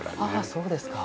そうですか。